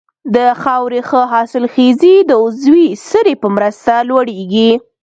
د خاورې ښه حاصلخېزي د عضوي سرې په مرسته لوړیږي.